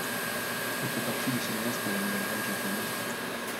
Il fait partie des cinéastes de la Nouvelle vague japonaise.